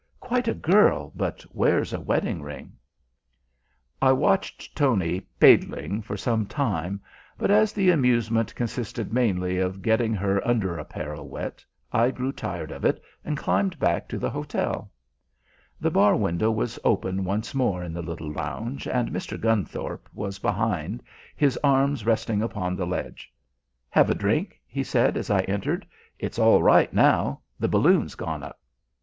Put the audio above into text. Quite a girl, but wears a wedding ring." I watched Tony "paidling" for some time, but as the amusement consisted mainly of getting her under apparel wet, I grew tired of it, and climbed back to the hotel. The bar window was open once more in the little lounge, and Mr. Gunthorpe was behind, his arms resting upon the ledge. "Have a drink?" he said, as I entered. "It's all right now. The balloon's gone up."